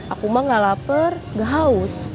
aku mah enggak lapar enggak haus